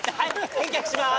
返却しまーす！